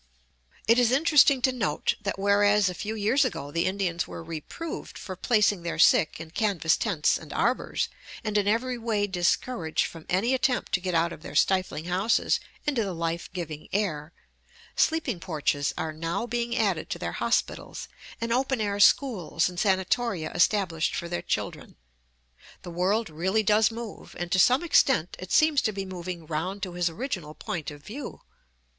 It is interesting to note that whereas a few years ago the Indians were reproved for placing their sick in canvas tents and arbors, and in every way discouraged from any attempt to get out of their stifling houses into the life giving air, sleeping porches are now being added to their hospitals, and open air schools and sanatoria established for their children. The world really does move, and to some extent it seems to be moving round to his original point of view.